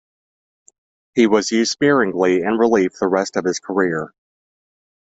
He was used sparingly in relief the rest of his career.